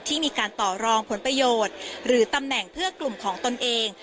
ที่มีการต่อรองผลประโยชน์หรือตำแหน่งเพื่อกลุ่มของตนเอง